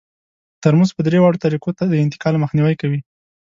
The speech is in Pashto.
ترموز په درې واړو طریقو د انتقال مخنیوی کوي.